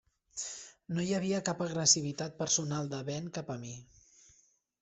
No hi havia cap agressivitat personal de Ben cap a mi.